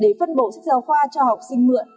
để phân bổ sách giáo khoa cho học sinh mượn